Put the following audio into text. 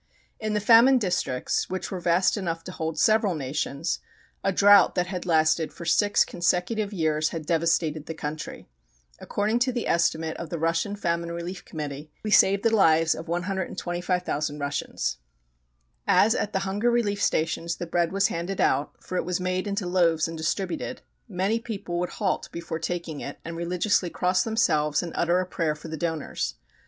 In the famine districts, which were vast enough to hold several nations, a drought that had lasted for six consecutive years had devastated the country. According to the estimate of the Russian Famine Relief Committee we saved the lives of 125,000 Russians. As at the hunger relief stations the bread was handed out for it was made into loaves and distributed many people would halt before taking it and religiously cross themselves and utter a prayer for the donors.